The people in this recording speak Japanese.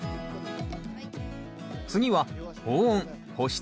次は保温保湿